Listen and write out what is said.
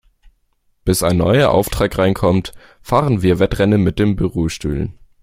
Bis ein neuer Auftrag reinkommt, fahren wir Wettrennen mit den Bürostühlen.